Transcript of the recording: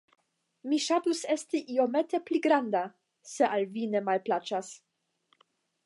mi ŝatus esti iomete pli granda, se al vi ne malplaĉas.